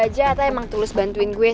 ya semoga aja ata emang tulus bantuin gue sih